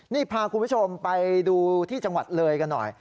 นี่พาคุณผู้ชมไปดูที่จังหวัดเลยกันหน่อย